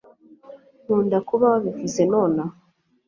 Nkunda kuba Wabivuze nonaha